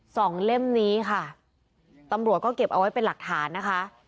เล่มนี้ค่ะตำรวจก็เก็บเอาไว้เป็นหลักฐานนะคะ